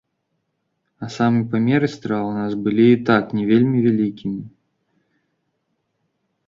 А самі памеры страў у нас і так былі не вельмі вялікімі.